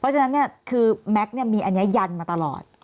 เพราะฉะนั้นเนี่ยคือแม็กซ์มีอันเนี่ยยันต์มาตลอด